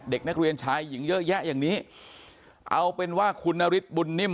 เด็กนักเรียนชายหญิงเยอะแยะอย่างนี้เอาเป็นว่าคุณนฤทธิบุญนิ่ม